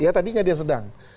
ya tadinya dia sedang